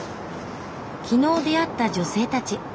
昨日出会った女性たち。